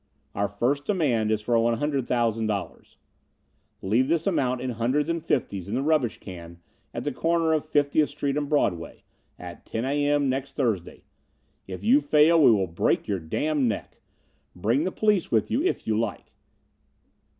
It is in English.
"Our first demand is for $100,000. Leave this amount in hundreds and fifties in the rubbish can at the corner of 50th Street and Broadway at 10 A. M. next Thursday. If you fail we will break your damned neck. Bring the police with you if you like.